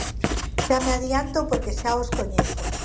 Xa me adianto porque xa os coñezo.